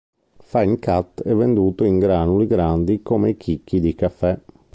Fine cut è venduto in granuli grandi come i chicchi di caffè.